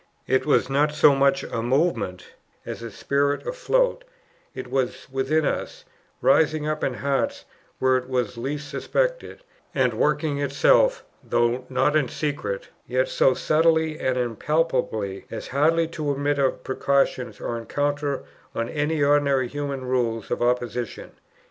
It was not so much a movement as a "spirit afloat;" it was within us, "rising up in hearts where it was least suspected, and working itself, though not in secret, yet so subtly and impalpably, as hardly to admit of precaution or encounter on any ordinary human rules of opposition.